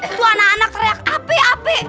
itu anak anak teriak api api